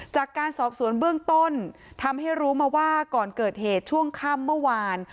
จากการสอบสวนเบื้องต้นทำให้รู้มาว่าก่อนเกิดเหตุช่วงค่ำเมื่อวาน